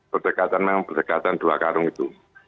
berdekatan memang berdekatan dua karung itu